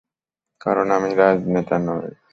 কারণ আমি রাজনেতা নই।